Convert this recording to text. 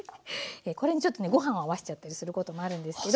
これにちょっとねご飯を合わせちゃったりすることもあるんですけど。